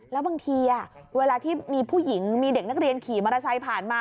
แล้วบางทีเวลาที่มีผู้หญิงมีเด็กนักเรียนขี่มอเตอร์ไซค์ผ่านมา